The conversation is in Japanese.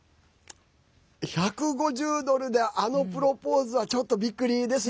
１５０ドルであのプロポーズはちょっとびっくりですね。